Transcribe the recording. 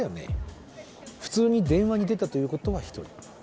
普通に電話に出たということは一人。